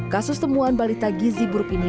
kasus temuan balita gizi buruk ini